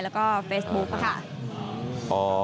แล้วก็เฟซบุ๊กค่ะ